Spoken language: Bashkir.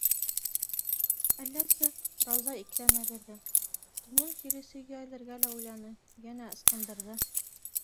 Әлләсе, - Рауза икеләнә бирҙе, тунын кире сөйгә элергә лә уйланы, йәнә ысҡындырҙы.